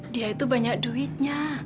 dia itu banyak duitnya